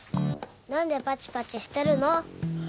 何でパチパチしてるの？